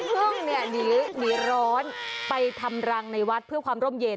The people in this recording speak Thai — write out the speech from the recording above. พึ่งเนี่ยหนีร้อนไปทำรังในวัดเพื่อความร่มเย็น